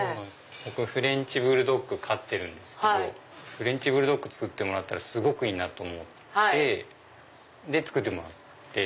僕フレンチブルドッグ飼ってるんですけどフレンチブルドッグ作ってもらったらすごくいいなと思って作ってもらって。